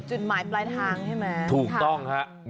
จุดหมายปลายทางใช่ไหม